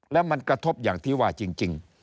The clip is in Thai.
แล้วมันกระทบอย่างที่ว่าจริง